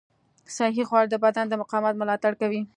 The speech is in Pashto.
صحي خواړه د بدن د مقاومت ملاتړ کوي.